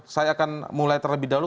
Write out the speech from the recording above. saya akan mulai terlebih dahulu